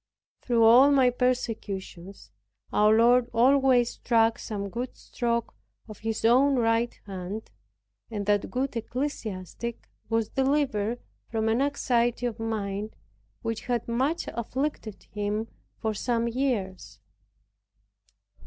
Through all my persecutions, our Lord always struck some good stroke of His own right hand, and that good ecclesiastic was delivered from an anxiety of mind, which had much afflicted him for some years.